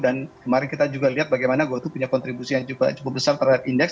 dan kemarin kita juga lihat bagaimana gotoh punya kontribusi yang juga cukup besar terhadap indeks